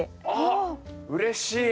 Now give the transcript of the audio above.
あっうれしい。